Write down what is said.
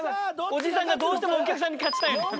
おじさんがどうしてもお客さんに勝ちたいのよ。